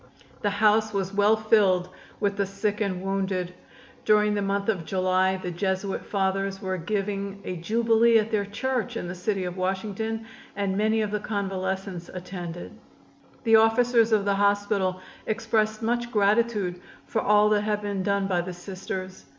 The house was well filled with the sick and wounded. During the month of July the Jesuit Fathers were giving a jubilee at their church in the city of Washington and many of the convalescents attended. The officers of the hospital expressed much gratitude for all that had been done by the Sisters.